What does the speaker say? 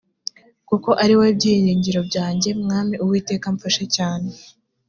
kuko ari wowe byiringiro byanjye mwami uwiteka amfashe cyane